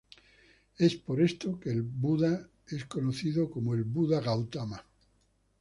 Es por esto que el Buda es conocido como el Buda Gautama.